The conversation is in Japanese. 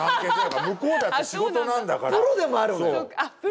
向こうだって仕事なんだから。